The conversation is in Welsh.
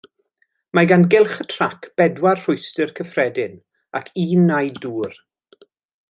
Mae gan gylch y trac bedwar rhwystr cyffredin ac un naid dŵr.